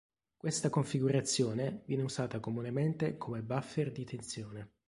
Questa configurazione viene usata comunemente come buffer di tensione.